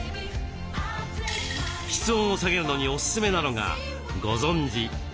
室温を下げるのにおすすめなのがご存じすだれ。